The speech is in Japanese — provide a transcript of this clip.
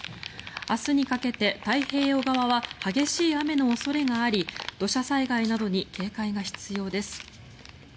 明日にかけて太平洋側は激しい雨の恐れがあり土砂災害などに警戒が必要です。